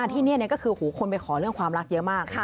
ที่นี่ก็คือคนไปขอเรื่องความรักเยอะมาก